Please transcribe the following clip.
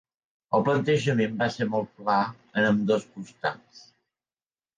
El plantejament va ser molt clar en ambdós costats.